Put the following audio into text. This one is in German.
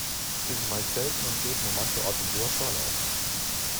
Sie sind meist selten und treten nur mancherorts in hoher Zahl auf.